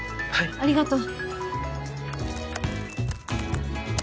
ありがとう。